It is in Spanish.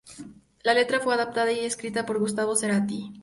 La letra fue adaptada y escrita por Gustavo Cerati.